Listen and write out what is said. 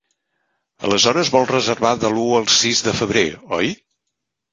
Aleshores vol reservar de l'u al sis de febrer, oi?